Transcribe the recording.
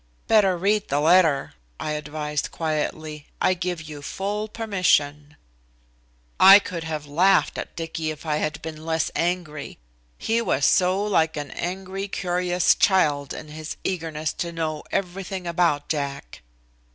"Better read the letter," I advised quietly. "I give you full permission." I could have laughed at Dicky, if I had been less angry. He was so like an angry, curious child in his eagerness to know everything about Jack.